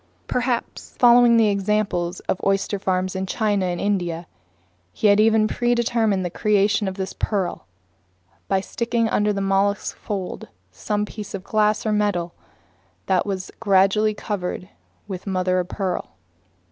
Perhaps, following the examples of oyster farmers in China and India, he had even predetermined the creation of this pearl by sticking under the mollusk's folds some piece of glass or metal that was gradually covered with mother of pearl.